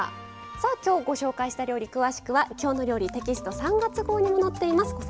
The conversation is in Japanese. さあ今日ご紹介した料理詳しくは「きょうの料理」テキスト３月号にも載っています。